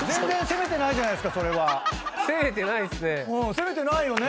攻めてないよね。